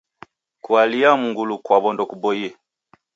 Kualia mngulu kwaw'o ndokupoie.